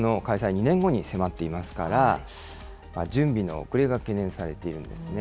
２年後に迫っていますから、準備の遅れが懸念されているんですね。